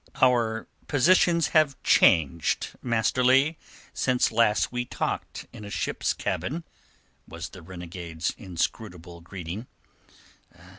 "Our positions have changed, Master Leigh, since last we talked in a ship's cabin," was the renegade's inscrutable greeting.